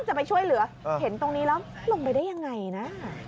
จะไปช่วยเหลือเห็นตรงนี้แล้วลงไปได้ยังไงนะ